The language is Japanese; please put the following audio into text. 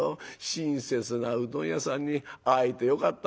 親切なうどん屋さんに会えてよかったねえ。